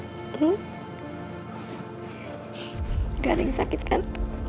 tidak ada yang sakit kan